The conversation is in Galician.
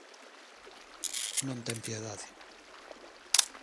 Non ten piedade.